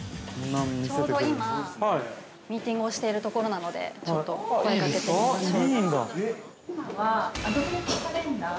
ちょうど今ミーティングをしているところなので、ちょっと声かけてみましょう。